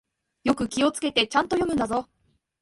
よく気をつけて、ちゃんと読むんだぞ。